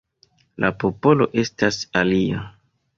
La popolo estas alia.